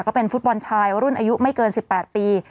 ก็เป็นฟุตบอลชายรุ่นอายุไม่เกิน๑๘ปี